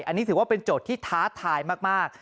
อันนี้ถือว่าเป็นโจทย์ที่ท้าทายมาก